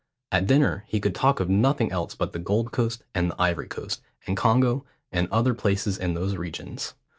At dinner he could talk of nothing else but the Gold Coast, and the Ivory Coast, and Congo, and other places in those regions.